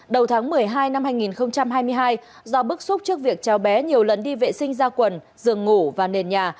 đầu tháng một mươi hai năm hai nghìn hai mươi hai do bức xúc trước việc cháu bé nhiều lần đi vệ sinh ra quần giường ngủ và nền nhà